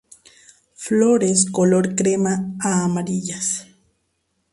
Flores color crema a amarillas.